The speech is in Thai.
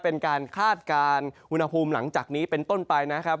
คาดการณ์อุณหภูมิหลังจากนี้เป็นต้นไปนะครับ